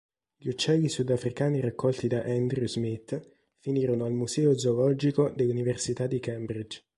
Gli uccelli sudafricani raccolti da Andrew Smith finirono al Museo Zoologico dell'università di Cambridge.